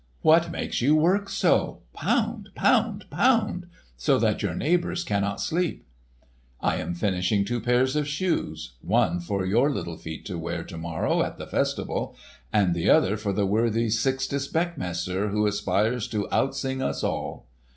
"What makes you work so—pound, pound, pound!—so that your neighbours cannot sleep?" "I am finishing two pairs of shoes; one for your little feet to wear to morrow at the festival; and the other for the worthy Sixtus Beckmesser who aspires to outsing us all."